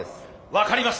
分かりました。